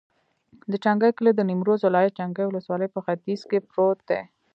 د چنګای کلی د نیمروز ولایت، چنګای ولسوالي په ختیځ کې پروت دی.